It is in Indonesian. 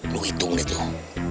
lo hitung dia tuh